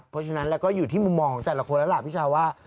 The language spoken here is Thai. เพราะฉะนั้นแล้วก็อยู่ที่มุมมองของแต่ละคนแล้วล่ะพี่ชาวว่า